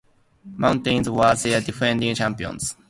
Mountaineers were the defending champions.